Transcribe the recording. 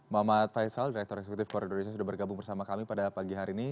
mamat faisal direktur eksekutif kor indonesia sudah bergabung bersama kami pada pagi hari ini